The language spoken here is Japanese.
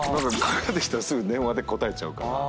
きたらすぐ電話で応えちゃうから。